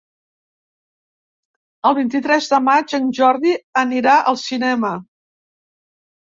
El vint-i-tres de maig en Jordi anirà al cinema.